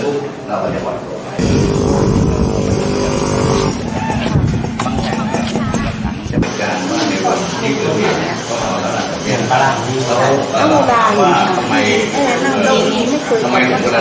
ที่เขาเกิดเหตุเขานอนลักษณะกับแม่ยังไงตอนนั้นเห็นไหม